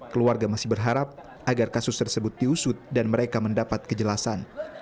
keluarga masih berharap agar kasus tersebut diusut dan mereka mendapat kejelasan